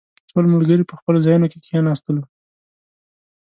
ټول ملګري په خپلو ځايونو کې کښېناستلو.